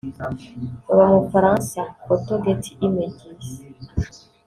Baba mu Bufaransa/ Photo Getty Images